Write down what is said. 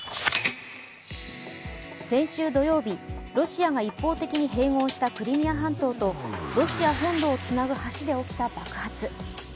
先週土曜日、ロシアが一方的に併合したクリミア半島とロシア本土をつなぐ橋で起きた爆発。